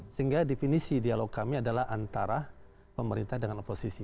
sehingga definisi dialog kami adalah antara pemerintah dengan oposisi